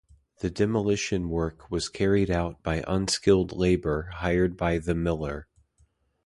The demolition work was carried out by unskilled labour hired by the miller.